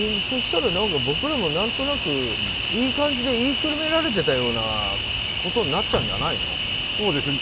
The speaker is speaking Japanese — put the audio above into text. そうしたら僕らも何となくいい感じで言いくるめられてたような感じになっちゃうんじゃないの？